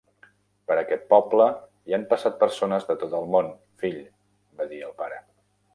"Per aquest poble, hi han passat persones de tot el món, fill", va dir el pare.